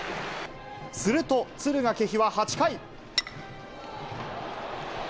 すると敦賀気比は８回。